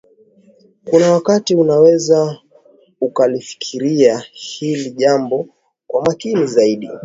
kuna wakati unaweza ukalifikiria hili jambo kwa makini zaidi